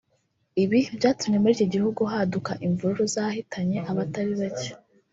Ibi byatumye muri iki gihugu haduka imvururu zahitanye abatari bake